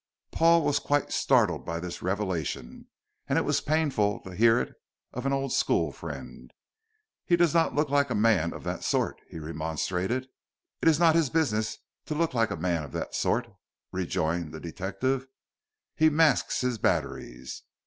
Paul was quite startled by this revelation, and it was painful to hear it of an old school friend. "He does not look like a man of that sort," he remonstrated. "It's not his business to look like a man of that sort," rejoined the detective. "He masks his batteries.